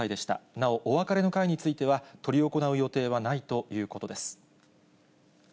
なお、お別れの会については執り行う予定はないということです。